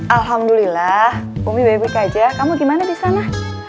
alhamdulillah ummi baik baik aja kamu gimana disana